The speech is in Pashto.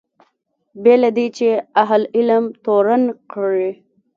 بې له دې چې اهل علم تورن کړي.